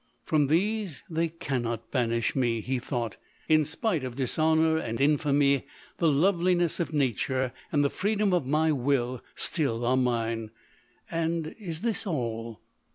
"From these they cannot banish me," he thought;" in spite of dishonour and infamy, the loveliness of nature, and the freedom of my will, still are mine: — and is this all?"